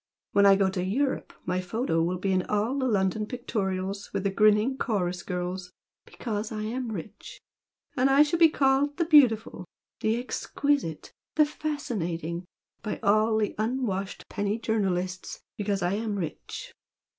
When I go to Europe my photo will be in all the London pictorials with the grinning chorus girls, because I am rich! And I shall be called 'the beautiful,' 'the exquisite' 'the fascinating' by all the unwashed penny journalists because I am rich!